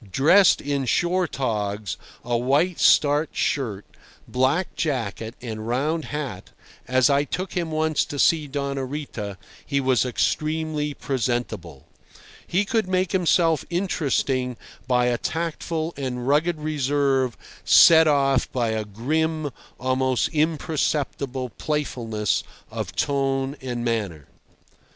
Dressed in shore togs, a white starched shirt, black jacket, and round hat, as I took him once to see Doña Rita, he was extremely presentable. He could make himself interesting by a tactful and rugged reserve set off by a grim, almost imperceptible, playfulness of tone and manner.